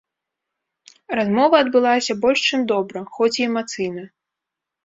Размова адбылася больш чым добра, хоць і эмацыйна.